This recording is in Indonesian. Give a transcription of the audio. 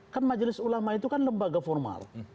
kan majelis ulama itu kan lembaga formal